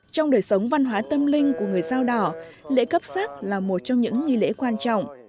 trong đời sống văn hóa tâm linh của người dao đỏ lễ cấp sắc là một trong những nghi lễ quan trọng